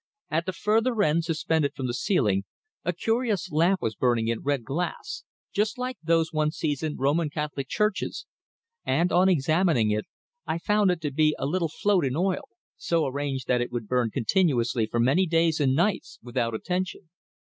At the further end, suspended from the ceiling, a curious lamp was burning in red glass, just like those one sees in Roman Catholic churches, and on examining it I found it to be a little float in oil, so arranged that it would burn continuously for many days and nights without attention.